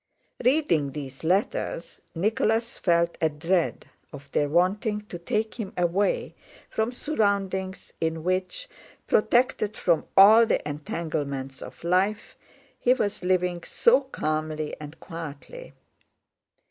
Reading these letters, Nicholas felt a dread of their wanting to take him away from surroundings in which, protected from all the entanglements of life, he was living so calmly and quietly.